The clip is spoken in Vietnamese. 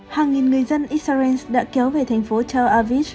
hàng nghìn người dân israel đã kéo về thành phố tel aviv